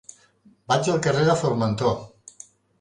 Vaig al carrer de Formentor.